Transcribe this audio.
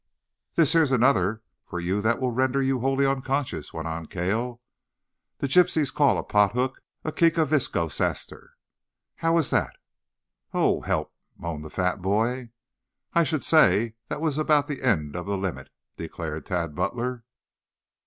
"Then here is another for you that will render you wholly unconscious," went on Cale. "The gypsies call a pot hook a 'kekauviscoe saster.' How is that?" "Oh, help!" moaned the fat boy. "I should say that was about the end of the limit," declared Tad Butler.